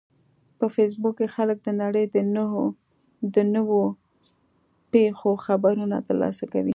په فېسبوک کې خلک د نړۍ د نوو پیښو خبرونه ترلاسه کوي